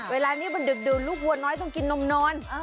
เวลานี้มันดึกดื่นลูกวัวน้อยต้องกินนมนอน